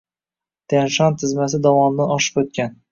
Tyan-Shan tizmasi dovonidan oshib oʻtgan.